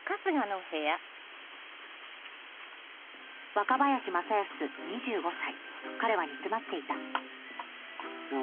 若林正恭２５歳彼は煮詰まっていたなぁ